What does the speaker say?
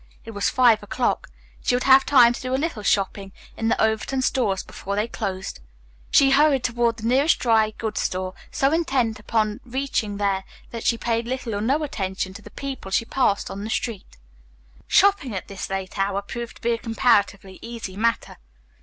It was five o'clock. She would have time to do a little shopping in the Overton stores before they closed. She hurried toward the nearest dry goods store, so intent upon reaching there that she paid little or no attention to the people she passed in the street. Shopping at this late hour proved a comparatively easy matter.